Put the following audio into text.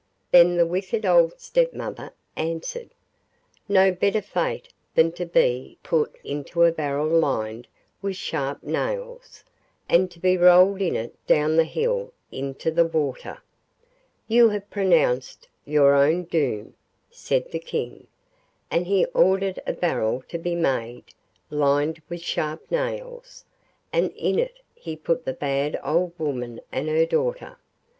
Then the wicked old stepmother answered: 'No better fate than to be put into a barrel lined with sharp nails, and to be rolled in it down the hill into the water.' 'You have pronounced your own doom,' said the King; and he ordered a barrel to be made lined with sharp nails, and in it he put the bad old woman and her daughter.